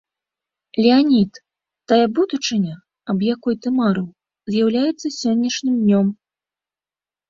Леанід, тая будучыня, аб якой ты марыў, з'яўляецца сённяшнім днём.